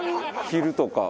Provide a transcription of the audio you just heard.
昼とか。